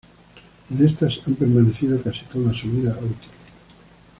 En estas han permanecido casi toda su vida útil.